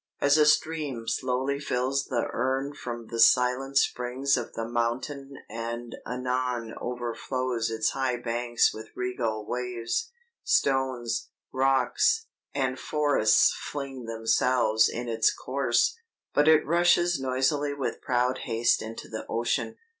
"As a stream slowly fills the urn from the silent springs of the mountain and anon overflows its high banks with regal waves, stones, rocks, and forests fling themselves in its course, but it rushes noisily with proud haste into the ocean.